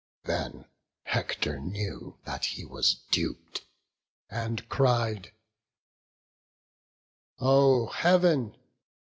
Then Hector knew that he was dup'd, and cried, "Oh Heav'n!